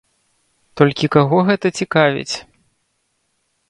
Толькі каго гэта цікавіць?